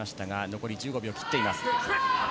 残り１５秒切っています。